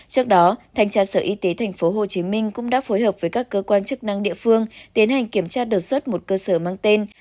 trước đó thanh tra sở y tế tp hcm cũng đã phối hợp với các cơ quan chức năng địa phương tiến hành kiểm tra đột xuất một cơ sở mang tên